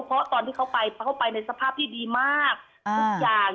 เพราะตอนที่เขาไปเขาไปในสภาพที่ดีมากทุกอย่าง